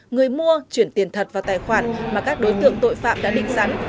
người mua chuyển tiền thật vào tài khoản mà các đối tượng tội phạm đã định sẵn